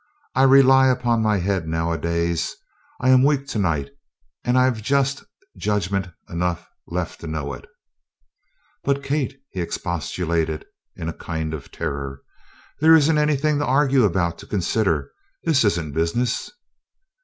I rely upon my head nowadays. I am weak to night, and I've just judgment enough left to know it." "But, Kate!" he expostulated in a kind of terror. "There isn't anything to argue about to consider. This isn't business."